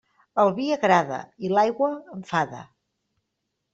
El vi agrada i l'aigua enfada.